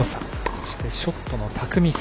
そして、ショットの巧みさ。